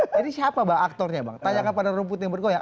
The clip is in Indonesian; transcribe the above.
jadi siapa bang aktornya tanyakan kepada rumput yang bergoyang